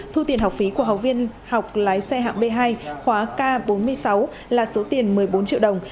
thu tiền học phí của học viên học lái xe hạng b hai khóa k bốn mươi sáu là số tiền một mươi bốn triệu đồng